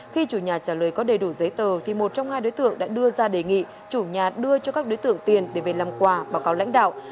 khi chủ nhà trả lời có đầy đủ giấy tờ thì một trong hai đối tượng đã đưa ra đề nghị chủ nhà đưa cho các đối tượng tiền để về làm quà báo cáo lãnh đạo